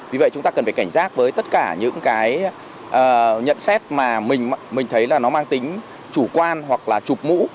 vì vậy chúng ta cần phải cảnh giác với tất cả những cái nhận xét mà mình thấy là nó mang tính chủ quan hoặc là chụp mũ